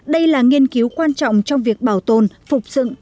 đây là nghiên cứu quan trọng trong việc bảo tồn phục dựng